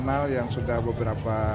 nah itu sudah ter